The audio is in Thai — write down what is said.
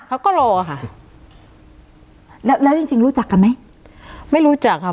เขาก็รอค่ะแล้วแล้วจริงจริงรู้จักกันไหมไม่รู้จักค่ะ